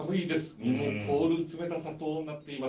身も凍る冷たさとなっています。